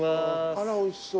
あらおいしそう。